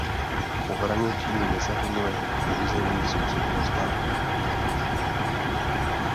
Pohraničí nezahrnuje území sousedního státu.